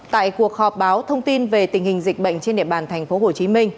tại cuộc họp báo thông tin về tình hình dịch bệnh trên địa bàn tp hcm